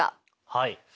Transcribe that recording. はい。